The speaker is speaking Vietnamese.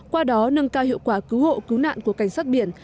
qua đó nâng cao hiệu quả cứu hộ cứu nạn của cảnh sát biển